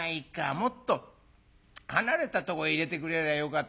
もっと離れたとこ入れてくれりゃよかったのに。